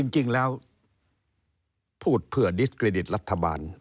จริงแล้วพูดเพื่อดิสเครดิตรัฐบาล